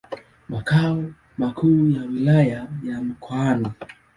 na makao makuu ya Wilaya ya Mkoani.